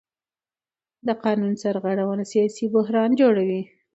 د قانون سرغړونه سیاسي بحران جوړوي